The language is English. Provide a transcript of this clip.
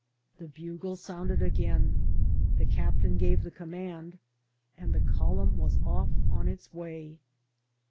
The bugle sounded again, the captain gave the command, and the colunm was off on its way.